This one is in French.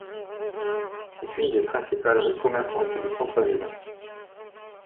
C'est une des principales rues commerçantes du centre-ville.